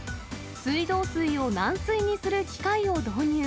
水道水を軟水にする機械を導入。